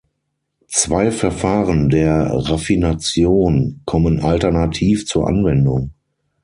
Zwei Verfahren der Raffination kommen alternativ zur Anwendung.